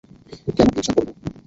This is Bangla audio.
কেন হিংসা করবো?